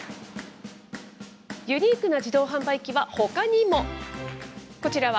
ユニークな自動販売機はほかにも。